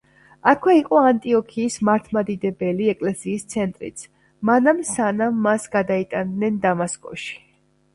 აქვე იყო ანტიოქიის მართლმადიდებელი ეკლესიის ცენტრიც, მანამ სანამ მას გადაიტანდნენ დამასკოში.